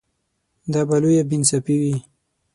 دا به لویه بې انصافي وي.